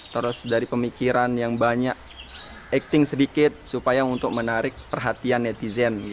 terus dari pemikiran yang banyak acting sedikit supaya untuk menarik perhatian netizen